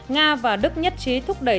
nga và đức nhất trí thúc đẩy